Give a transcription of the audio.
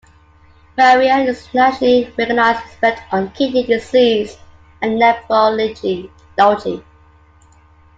Pereira is a nationally recognized expert on kidney disease and nephrology.